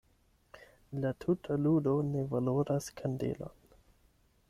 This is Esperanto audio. La tuta ludo ne valoras kandelon.